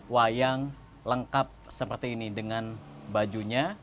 wayang lengkap seperti ini dengan bajunya